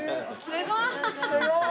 すごい！